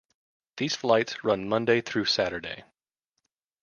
These flights run Monday through Saturday.